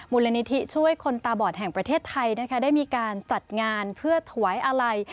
มูลนิธิช่วยคนตาบอดแห่งประเทศไทยนะคะได้มีการจัดงานเพื่อถวายอาลัย